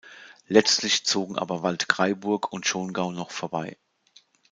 Letztlich zogen aber Waldkraiburg und Schongau noch vorbei.